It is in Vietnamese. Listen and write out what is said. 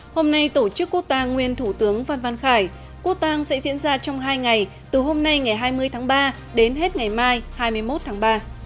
hôm nay tổ chức quốc ta nguyên thủ tướng phan văn khải quốc tang sẽ diễn ra trong hai ngày từ hôm nay ngày hai mươi tháng ba đến hết ngày mai hai mươi một tháng ba